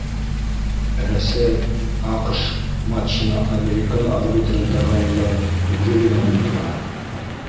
Рәсәй - АҠШ матчына американ арбитрын тәғәйенләү үҙе генә ни тора!